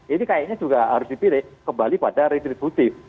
ini kayaknya juga harus dipilih kembali pada retributif